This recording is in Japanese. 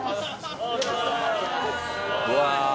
うわ！